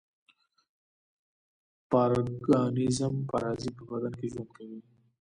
پارګانېزم پارازیت په بل بدن کې ژوند کوي.